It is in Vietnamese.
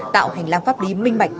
tạo hành lang pháp lý minh mạch